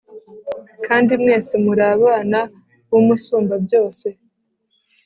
kandi mwese muri abana b'umusumbabyose